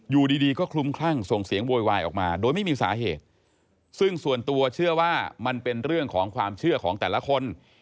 อยู่ดีดีก็คลุมคลั่งส่งเสียงโวยวายออกมาโดยไม่มีสาเหตุซึ่งส่วนตัวเชื่อว่ามันเป็นเรื่องของความเชื่อของแต่ละคน